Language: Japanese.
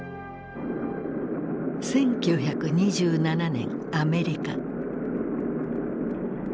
１９２７年アメリカ。